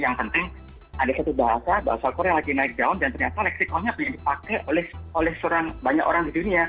yang penting ada satu bahasa bahasa korea lagi naik daun dan ternyata lexiconnya yang dipakai oleh banyak orang di dunia